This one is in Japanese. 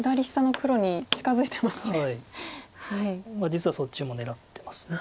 実はそっちも狙ってます。